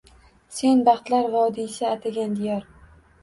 Sen baxtlar vodiysi atagan diyor